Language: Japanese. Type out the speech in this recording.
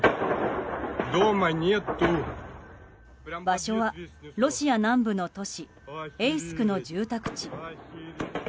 場所はロシア南部の都市エイスクの住宅地。